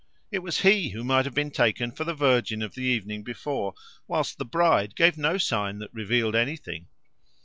It was he who might rather have been taken for the virgin of the evening before, whilst the bride gave no sign that revealed anything.